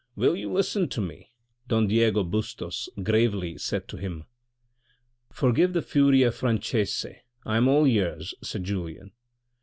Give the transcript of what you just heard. " Will you listen to me ?" Don Diego Bustos gravely said to him. "Forgive the furia franchese ; I am all ears," said Julien.